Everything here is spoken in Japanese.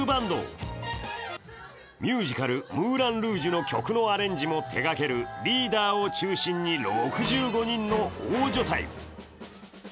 ミュージカル、「ムーラン・ルージュ」の曲のアレンジも手がけるリーダーを中心に６５人の大所帯。